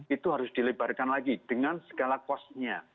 itu harus dilebarkan lagi dengan segala kosnya